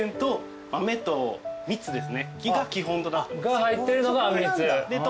が入ってるのがあんみつ。